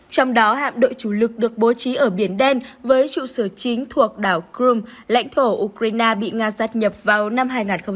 trong đó hạm đội chủ lực được bố trí ở biển đen với trụ sở chính thuộc đảo crimea lãnh thổ ukraine bị nga sát nhập vào năm hai nghìn một mươi